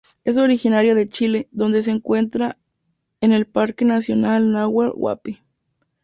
Es originaria de Chile donde se encuentra en el Parque nacional Nahuel Huapi.